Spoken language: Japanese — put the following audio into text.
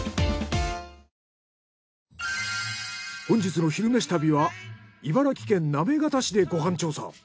本日の「昼めし旅」は茨城県行方市でご飯調査。